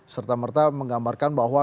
serta merta menggambarkan bahwa